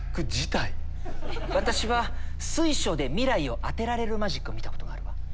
私は水晶で未来を当てられるマジックを見たことがあるわ。